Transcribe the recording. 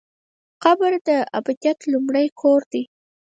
قبر د ابدیت لومړی کور دی